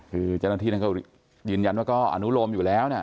คือเจ้าหน้าที่นั้นก็ยืนยันว่าก็อนุโลมอยู่แล้วนะ